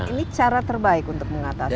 ini cara terbaik untuk mengatasi